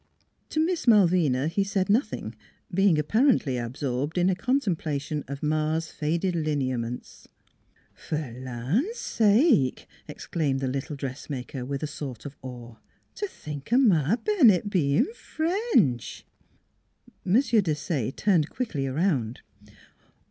To Miss Malvina he said nothing, being apparently absorbed in a contemplation of Ma's faded lineaments. " Per th' land sake !" exclaimed the little dressmaker, with a sort of awe, " t' think o' Ma Bennett bein' French!" M. Desaye turned quickly around.